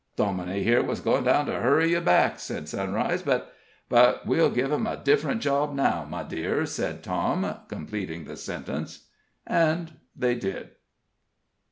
"Dominie here was going down to hurry you back," said Sunrise; "but " "But we'll give him a different job now, my dear," said Tom, completing the sentence. And they did.